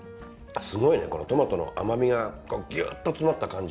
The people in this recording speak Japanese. すごいねこのトマトの甘味がギュッと詰まった感じ。